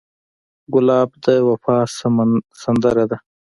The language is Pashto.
ګلاب د وفا سندره ده.